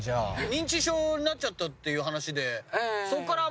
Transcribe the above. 認知症になっちゃったっていう話で。